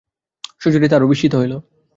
সুচরিতা আরো বিস্মিত হইল।